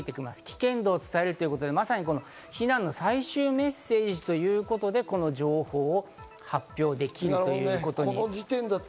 限度を伝えるということで避難の最終メッセージということで、この情報を発表できるということになりました。